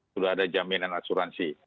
sudah ada jaminan asuransi